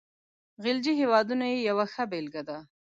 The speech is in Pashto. خلیجي هیوادونه یې یوه ښه بېلګه ده.